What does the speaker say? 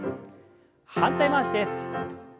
反対回しです。